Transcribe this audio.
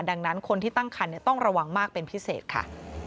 ดังนั้นคนที่ตั้งคันต้องระวังมากเป็นพิเศษค่ะ